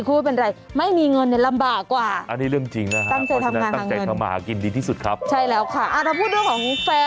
คุณพูดอะไรเลยเปื่อยนี่รายการสดนะ